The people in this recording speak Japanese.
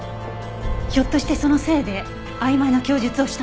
ひょっとしてそのせいで曖昧な供述をしたのだとしたら。